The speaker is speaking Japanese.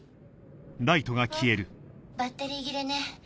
バッテリー切れね。